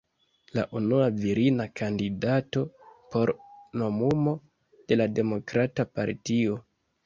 La unua virina kandidato por nomumo de la demokrata partio.